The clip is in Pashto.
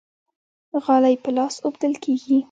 غالۍ په لاس اوبدل کیږي.